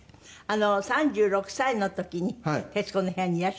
３６歳の時に『徹子の部屋』にいらっしゃいました。